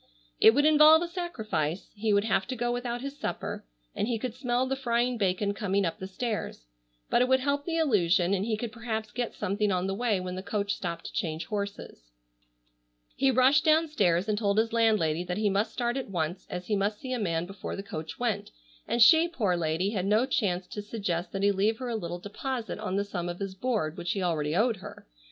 It would involve a sacrifice. He would have to go without his supper, and he could smell the frying bacon coming up the stairs. But it would help the illusion and he could perhaps get something on the way when the coach stopped to change horses. He rushed downstairs and told his landlady that he must start at once, as he must see a man before the coach went, and she, poor lady, had no chance to suggest that he leave her a little deposit on the sum of his board which he already owed her.